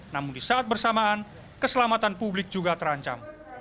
namun di saat bersamaan keselamatan publik juga terancam